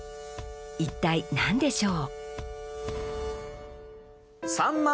一体何でしょう？